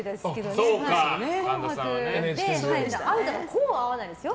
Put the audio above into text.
こうは会わないですよ。